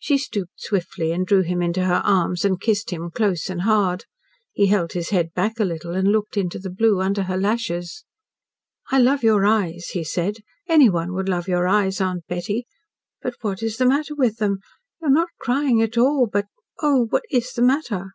She stooped swiftly and drew him into her arms and kissed him close and hard. He held his head back a little and looked into the blue under her lashes. "I love your eyes," he said. "Anyone would love your eyes, Aunt Betty. But what is the matter with them? You are not crying at all, but oh! what is the matter?"